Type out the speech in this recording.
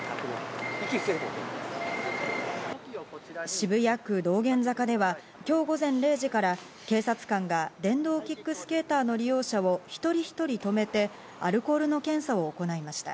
渋谷区道玄坂では今日午前０時から警察官が電動キックスケーターの利用者を一人一人止めてアルコールの検査を行いました。